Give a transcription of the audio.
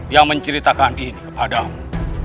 yang menceritakan inikepadamu